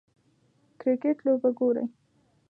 کریکټ لوبه ګورئ